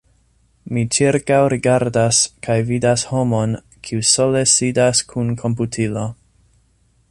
Mi ĉirkaŭrigardas, kaj vidas homon, kiu sole sidas kun komputilo.